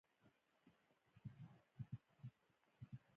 د افغانستان ولايتونه د افغانستان د طبعي سیسټم توازن ساتي.